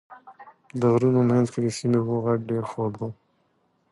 د غرونو منځ کې د سیند اوبو غږ ډېر خوږ دی.